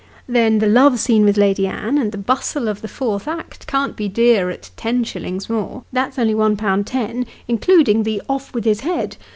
Then the love scene with Lady Anne, and the bustle of the fourth act can't be dear at ten shillings more that's only one pound ten, including the " off with his head